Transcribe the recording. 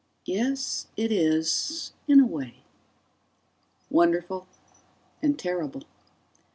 ("Yes, it is in a way.") Wonderful ... and terrible.